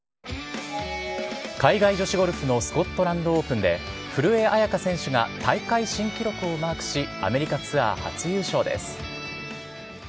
海外女子ゴルフのスコットランドオープンで、古江彩佳選手が、大会新記録をマークし、アメリカツアー初優勝です。